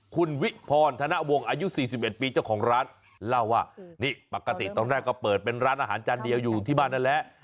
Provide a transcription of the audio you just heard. คุณวิพรธนวงอายุ๔๑ปีเจ้าของร้านเล่าว่านี่ปกติตอนแรกก็เปิดเป็นร้านอาหารจานเดียวอยู่ที่บ้านนั่นแหละ